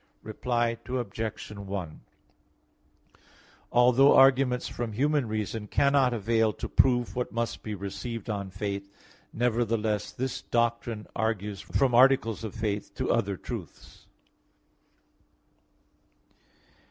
Reply Obj. 1: Although arguments from human reason cannot avail to prove what must be received on faith, nevertheless, this doctrine argues from articles of faith to other truths.